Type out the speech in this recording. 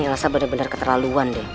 ini elsa bener bener keterlaluan deh